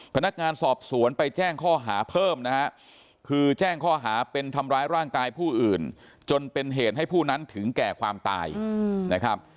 พนักงานสอบสวนไปแจ้งข้อหาเพิ่มนะฮะคือแจ้งข้อหาเป็นทำร้ายร่างกายผู้อื่นจนเป็นเหตุให้ผู้นั้นถึงแก่ความตายนะครับ